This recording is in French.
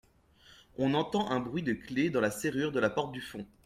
On entend un bruit de clef dans la serrure de la porte du fond.